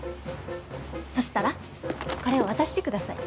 そしたらこれを渡してください。